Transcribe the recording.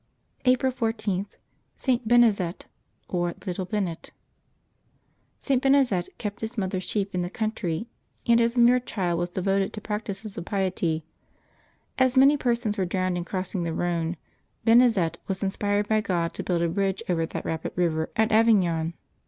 April 14.— ST. BENEZET, or Little Bennet. ^T. Benezet kept his mother's sheep in the country, and as a mere child was devoted to practices of piety. As many persons were drowned in crossing the Rhone, Benezet was inspired by God to build a bridge over that rapid river at Avignon.